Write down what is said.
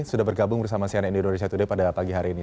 sudah bergabung bersama sian indonesia today pada pagi hari ini